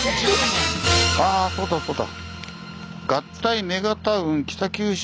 あそうだそうだ。